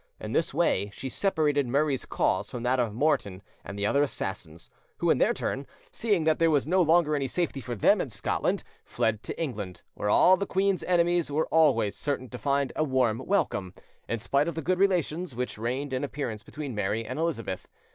In this way she separated Murray's cause from that of Morton and the other assassins, who, in their turn, seeing that there was no longer any safety for them in Scotland, fled to England, where all the queen's enemies were always certain to find a warm welcome, in spite of the good relations which reigned in appearance between Mary and Elizabeth.